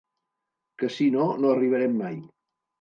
Que si no, no arribarem mai.